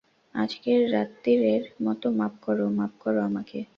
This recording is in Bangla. আজকের রাত্তিরের মতো মাপ করো, মাপ করো আমাকে।